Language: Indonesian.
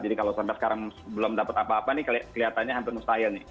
jadi kalau sampai sekarang belum mendapat apa apa kelihatannya hampir mustahil